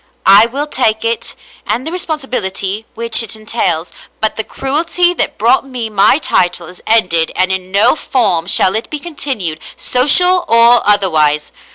I will take it and the responsibility which it entails; but the cruelty that brought me my title is ended and in no form shall it be continued, social or otherwise.